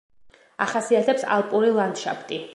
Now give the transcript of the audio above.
ახასიათებს ალპური ლანდშაფტი.